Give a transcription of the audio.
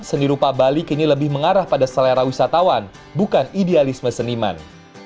seni rupa bali kini lebih mengarah pada selera wisatawan bukan idealisme seniman